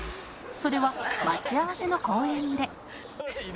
それは待ち合わせの公園で